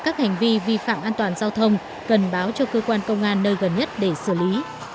các hành vi vi phạm an toàn giao thông cần báo cho cơ quan công an nơi gần nhất để xử lý